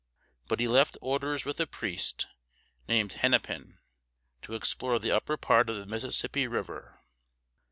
But he left orders with a priest, named Hen´ne pin, to explore the upper part of the Mississippi River.